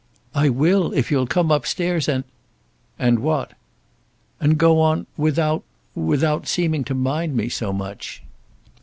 "I will if you'll come up stairs, and " "And what?" "And go on without, without seeming to mind me so much."